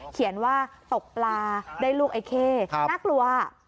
เขียนว่าตกปลาได้ลูกไอ้เข้น่ากลัว